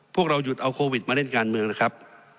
พวกเราหยุดเอาโควิดมาเล่นการเมืองนะครับ